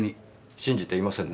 信じていませんね？